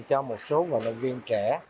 cho một số vận động viên trẻ